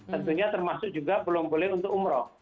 tentunya termasuk juga belum boleh untuk umroh